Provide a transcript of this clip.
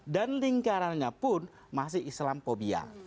dan lingkarannya pun masih islamphobia